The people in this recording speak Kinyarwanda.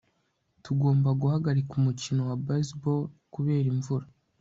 tugomba guhagarika umukino wa baseball kubera imvura